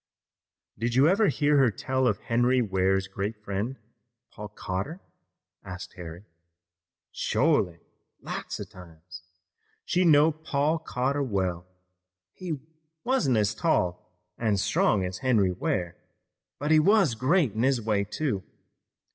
"Did you ever hear her tell of Henry Ware's great friend, Paul Cotter?" asked Harry. "Shorely; lots of times. She knowed Paul Cotter well. He wuzn't as tall an' strong as Henry Ware, but he was great in his way, too.